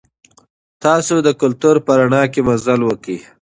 تاسي د کلتور په رڼا کې مزل وکړئ.